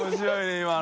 今の。